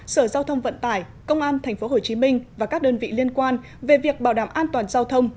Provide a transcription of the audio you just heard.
sở giao thông vận tải công an tp hcm và các đơn vị liên quan về việc bảo đảm an toàn giao thông